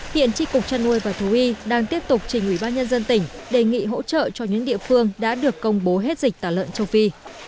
hiện tri cục chăn nuôi và thú y đang tiếp tục trình ủy ban nhân dân tỉnh đề nghị hỗ trợ cho những địa phương đã được công bố hết dịch tả lợn châu phi